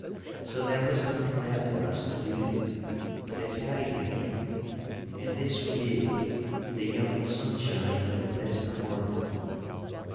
So there was nothing left for us to do but to carry him in, and this we did in the young sunshine of a pleasant morning.